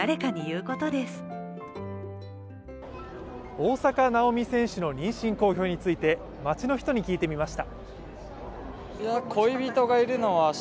大坂なおみ選手の妊娠公表について街の人に聞いてみました。